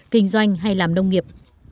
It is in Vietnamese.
kinh doanh hay làm nông nghiệp